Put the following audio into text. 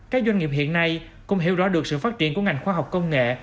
các doanh nghiệp hiện nay cũng hiểu rõ được sự phát triển của ngành khoa học công nghệ